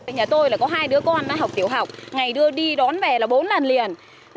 nhà tôi có hai đứa con học tiểu học ngày đưa đi đón về là bốn lần liền